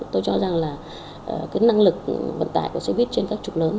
tôi cho rằng là cái năng lực vận tải của xe buýt trên các trục lớn